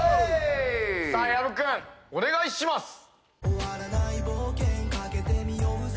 さあ薮君お願いします！